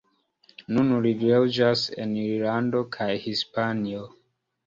Nun li loĝas en Irlando kaj Hispanio.